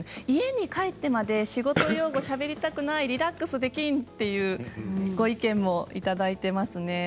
家に帰ってまで仕事用語しゃべりたくないリラックスできんというご意見もいただいています。